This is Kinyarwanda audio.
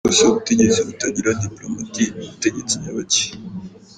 Ariko se, ubutegetsi butagira “diplomatie”, ni butegetsi nyabaki?!